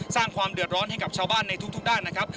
สร้างความเดือดร้อนให้กับชาวบ้านในทุกด้านนะครับ